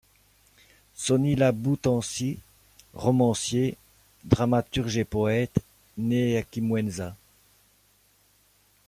Sony Labou Tansi, romancier, dramaturge et poète, né à Kimwenza.